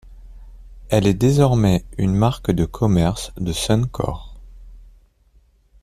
Elle est désormais une marque de commerce de Suncor.